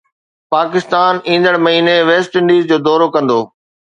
پاڪستان ايندڙ مهيني West Indies جو دورو ڪندو